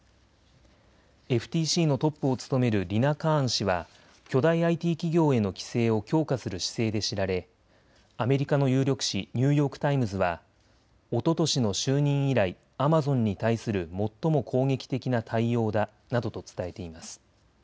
ＦＴＣのトップを務めるリナ・カーン氏は巨大ＩＴ企業への規制を強化する姿勢で知られアメリカの有力紙、ニューヨーク・タイムズはおととしの就任以来、アマゾンに対する最も攻撃的な対応だなどと伝えています。